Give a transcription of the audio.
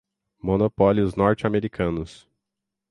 monopólios norte-americanos